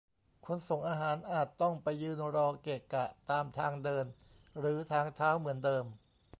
คนส่งอาหารอาจต้องไปยืนรอเกะกะตามทางเดินหรือทางเท้าเหมือนเดิม